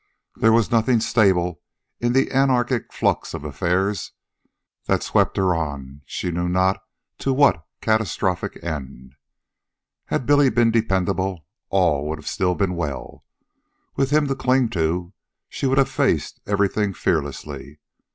There was nothing stable in the anarchic flux of affairs that swept her on she knew not to what catastrophic end. Had Billy been dependable, all would still have been well. With him to cling to she would have faced everything fearlessly.